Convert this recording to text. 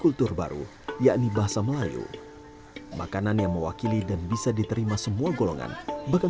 saat perbedaan dikesampingkan demi membangun kota baru muncullah kebiasaan mulia